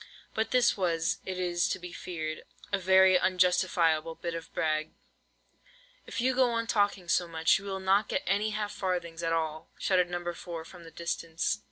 But this was, it is to be feared, a very unjustifiable bit of brag. "If you go on talking so much, you will not get any half farthings at all!" shouted No. 4, from the distance.